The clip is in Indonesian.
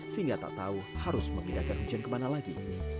sehingga tak tahu harus memindahkan hujan kemana lagi